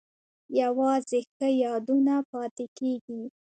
یوازې ښه یادونه پاتې کیږي